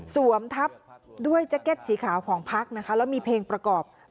สวมทับด้วยแจ๊กแก๊สสีขาวของภัครัฐมนธรรมแล้วมีเพลงประกอบลุงตุอยู่ไหน